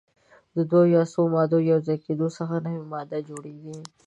د دوه یا څو مادو یو ځای کیدو څخه نوې ماده جوړیږي.